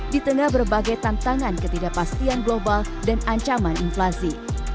di tengah berbagai tantangan ketidakpastian global dan ancaman inflasi